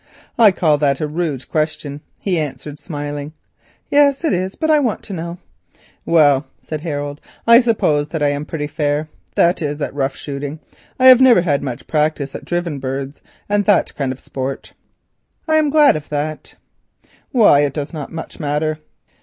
"I call that a rude question," he answered smiling. "Yes, it is, but I want to know." "Well," said Harold, "I suppose that I am pretty fair, that is at rough shooting; I never had much practice at driven birds and that kind of sport." "I am glad of it." "Why, it does not much matter.